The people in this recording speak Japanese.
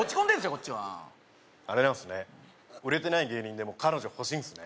こっちはあれなんすね売れてない芸人でも彼女欲しいんすね